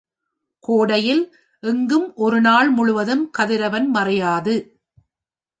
கோடையில் எங்கும் ஒரு நாள் முழுதும் கதிரவன் மறையாது.